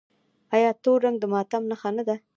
آیا تور رنګ د ماتم نښه نه ده؟